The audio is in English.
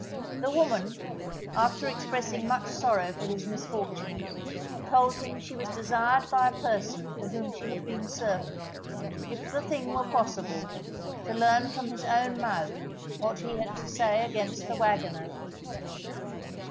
The woman, after expressing much sorrow for his misfortunes, told him she was desired by a person to whom she had been servant, if the thing were possible, to learn from his own mouth what he had to say against the wagoner.